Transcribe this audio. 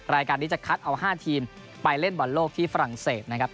รายการนี้จะคัดเอา๕ทีมไปเล่นบอลโลกที่ฝรั่งเศสนะครับ